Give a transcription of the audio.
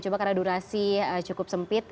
coba karena durasi cukup sempit